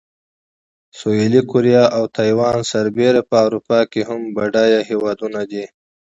سویلي کوریا او تایوان سربېره په اروپا کې هم بډایه هېوادونه دي.